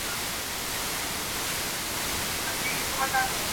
د غرڅه په څېر پخپله دام ته لویږي